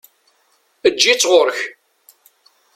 Eǧǧ-it ɣuṛ-k!